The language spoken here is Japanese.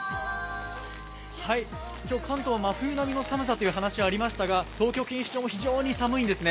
関東は真冬並みの寒さという話がありましたが東京・錦糸町も非常に寒いです。